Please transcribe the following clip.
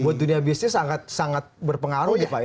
buat dunia bisnis sangat berpengaruh ya pak ya